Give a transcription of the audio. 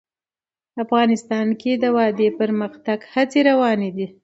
افغانستان کې د وادي د پرمختګ هڅې روانې دي.